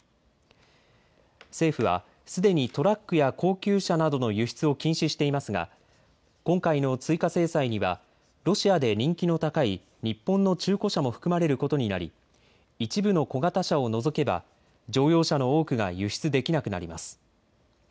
政府はすでにトラックや高級車などの輸出を禁止していますが今回の追加制裁にはロシアで人気の高い日本の中古車も含まれることになり一部の小型車を除けば乗用車の多くが輸出できなくなります。